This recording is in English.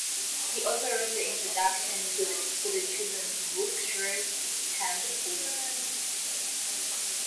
He also wrote the introduction to the children's book "Shrews Can't Hoop".